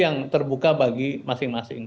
yang terbuka bagi masing masing